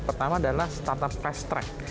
pertama adalah startup fast track